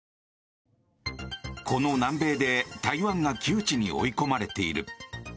この南米で台湾が窮地に追い込まれている。